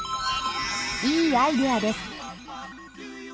いいアイデアです。